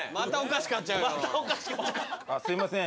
すいません。